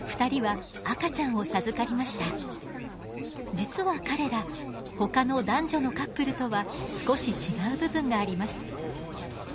実は彼らほかの男女のカップルとは少し違う部分があります。